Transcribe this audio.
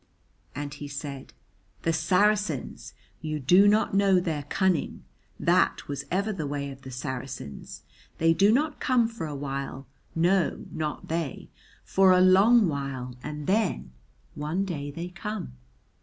And he said, "The Saracens! You do not know their cunning. That was ever the way of the Saracens. They do not come for a while, no not they, for a long while, and then one day they come."